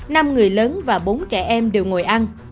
năm người lớn và bốn trẻ em đều ngồi ăn